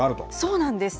そうなんです。